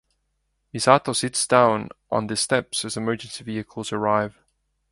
Misato sits down on the steps as emergency vehicles arrive.